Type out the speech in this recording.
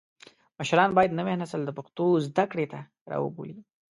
مشران باید نوی نسل د پښتو زده کړې ته راوبولي.